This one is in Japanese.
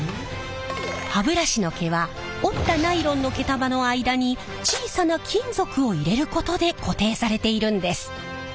歯ブラシの毛は折ったナイロンの毛束の間に小さな金属を入れることで固定されているんです。